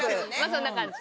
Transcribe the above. そんな感じ。